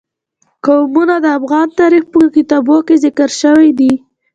قومونه د افغان تاریخ په کتابونو کې ذکر شوی دي.